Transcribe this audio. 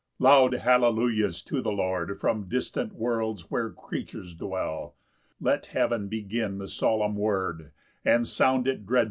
1 Loud hallelujahs to the Lord, From distant worlds where creatures dwell: Let heaven begin the solemn word, And sound it dreadful down to hell.